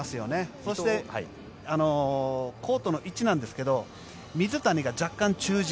そして、コートの位置ですが水谷が若干中陣。